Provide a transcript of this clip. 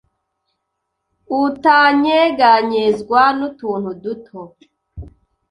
utanyeganyezwa n’utuntu duto.